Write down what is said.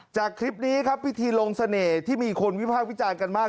จากคลิปนี้ครับพิธีลงเสน่ห์ที่มีคนวิพากษ์วิจารณ์กันมาก